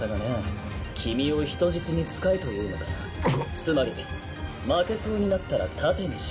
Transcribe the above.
つまり負けそうになったら盾にしろと。